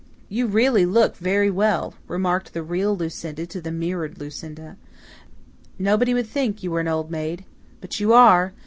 "You really look very well," remarked the real Lucinda to the mirrored Lucinda. "Nobody would think you were an old maid. But you are.